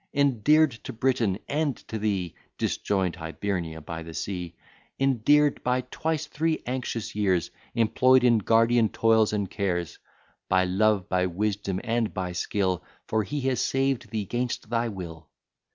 Endear'd to Britain; and to thee (Disjoin'd, Hibernia, by the sea) Endear'd by twice three anxious years, Employ'd in guardian toils and cares; By love, by wisdom, and by skill; For he has saved thee 'gainst thy will.